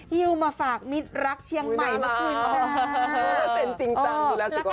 ฮิวมาฝากมิดรักเชียงใหม่เมื่อคืนนะ